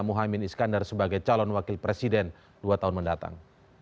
muhaymin iskandar sebagai calon wakil presiden dua tahun mendatang